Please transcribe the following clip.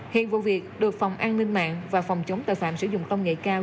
hiện vụ việc được phòng an ninh mạng và phòng chống tội phạm sử dụng công nghệ cao